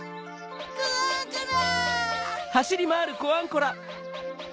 コアンコラ！